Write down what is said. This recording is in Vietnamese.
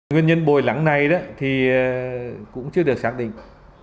nguyên nhân bồi lắng này thì cũng chưa được xác định